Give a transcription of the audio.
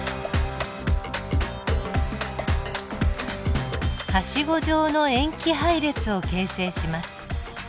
はしご状の塩基配列を形成します。